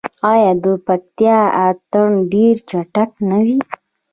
آیا د پکتیا اتن ډیر چټک نه وي؟